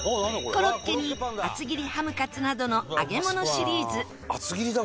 コロッケに厚切りハムカツなどの揚げ物シリーズ厚切りだ！